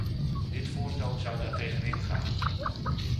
Dit voorstel zou daartegenin gaan.